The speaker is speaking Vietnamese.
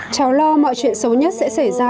cháu lo mọi chuyện xấu nhất sẽ xảy ra